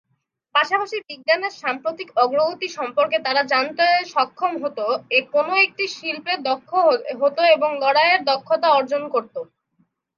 পাশাপাশি বিজ্ঞানের সাম্প্রতিক অগ্রগতি সম্পর্কে তারা জানতে সক্ষম হত, কোনো একটি শিল্পে দক্ষ হত এবং লড়াইয়ের দক্ষতা অর্জন করত।